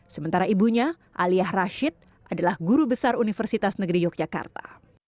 sementara ibunya alia rashid adalah guru besar universitas negeri yogyakarta